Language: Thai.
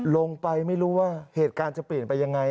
ไม่รู้ว่าเหตุการณ์จะเปลี่ยนไปยังไง